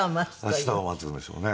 明日を待つんでしょうね。